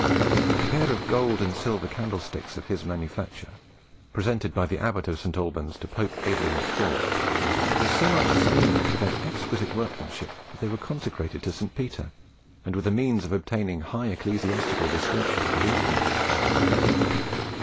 A pair of gold and silver candlesticks of his manufacture, presented by the abbot of St. Alban's to Pope Adrian IV., were so much esteemed for their exquisite workmanship that they were consecrated to St. Peter, and were the means of obtaining high ecclesiastical distinction for the abbey.